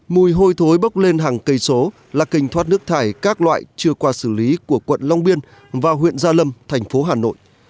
mùi hôi thối bốc lên hàng cây số là kênh thoát nước thải các loại chưa qua xử lý của quận long biên và huyện gia lâm thành phố hà nội